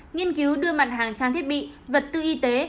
nghiên cứu đưa mặt hàng trang thiết bị vật tư y tế